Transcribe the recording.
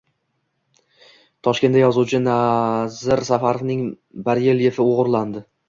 Toshkentda yozuvchi Nazir Safarovning barelyefi o‘g‘irlandi